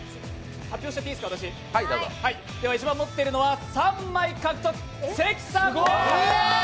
では、一番持ってる人は３枚獲得、関さんです。